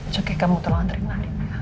cukai kamu tolong antri nalim ya